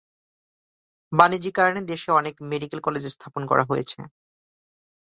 বাণিজ্যিক কারণে দেশে অনেক মেডিকেল কলেজ স্থাপন করা হয়েছে।